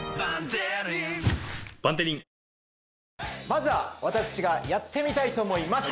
まずは私がやってみたいと思います